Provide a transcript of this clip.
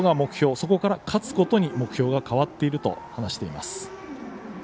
そこから勝つことに目標が変わっていると話しています。